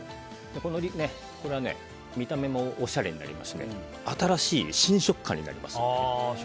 これは見た目もおしゃれになりますし新しい新食感になりますので。